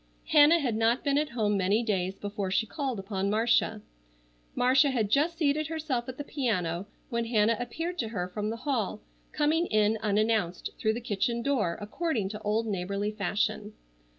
Hannah had not been at home many days before she called upon Marcia. Marcia had just seated herself at the piano when Hannah appeared to her from the hall, coming in unannounced through the kitchen door according to old neighborly fashion.